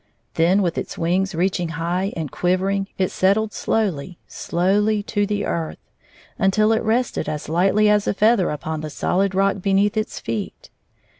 Then with its wings reaching high and quivering, it settled slowly, slowly to the earth, until it rested as lightly as a feather upon the solid rock beneath its feet.